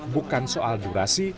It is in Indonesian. bukan soal durasi